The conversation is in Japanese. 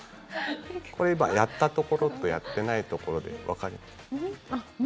これ、今やったところとやってないところでわかります？